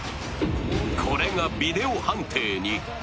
これがビデオ判定に。